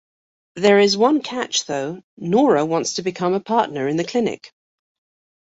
There is one catch, though-Nora wants to become a partner in the clinic.